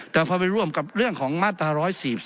แต่พอไปร่วมกับเรื่องของมาตรา๑๔๒